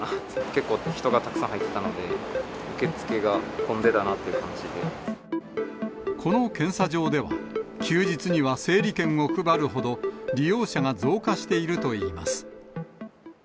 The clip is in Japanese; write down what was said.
結構、人がたくさん入ってたので、この検査場では、休日には整理券を配るほど、利用者が増加しているといいます。